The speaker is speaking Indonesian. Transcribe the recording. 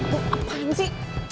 tuh apaan sih